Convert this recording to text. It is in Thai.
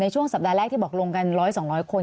ช่วงสัปดาห์แรกที่บอกลงกัน๑๐๐๒๐๐คน